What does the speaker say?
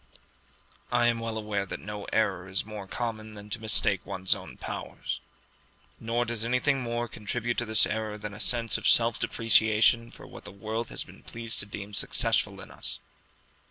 I am well aware that no error is more common than to mistake one's own powers; nor does anything more contribute to this error than a sense of self depreciation for what the world has been pleased to deem successful in us.